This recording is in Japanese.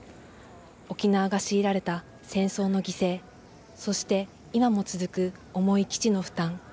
沖縄が強いられた戦争の犠牲、そして今も続く重い基地の負担。